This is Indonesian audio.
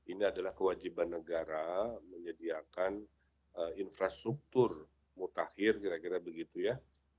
ini adalah kewajiban negara menyediakan infrastruktur mutakhir kira kira begitu ya